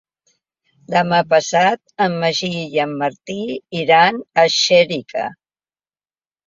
Demà passat en Magí i en Martí iran a Xèrica.